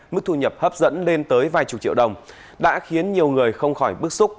mức thu nhập hấp dẫn lên tới vài chục triệu đồng đã khiến nhiều người không khỏi bức xúc